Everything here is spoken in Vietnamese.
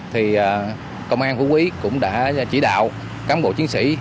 thì công an phú quý cũng đã chỉ đạo cán bộ chiến sĩ